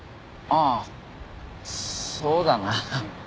ああそうだな。